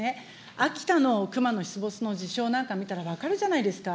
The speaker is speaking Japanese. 秋田の熊の出没の事象なんか見たら分かるじゃないですか。